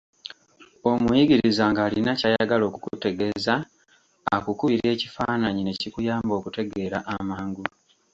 Omuyigiriza ng'alina ky'ayagala okukutegeeza, akukubira ekifaananyi ne kikuyamba okutegeera amangu.